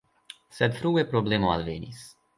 Sed frue problemo alvenis.